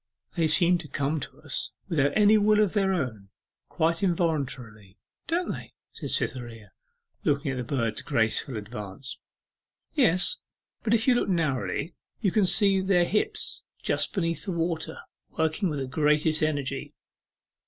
'They seem to come to us without any will of their own quite involuntarily don't they?' said Cytherea, looking at the birds' graceful advance. 'Yes, but if you look narrowly you can see their hips just beneath the water, working with the greatest energy.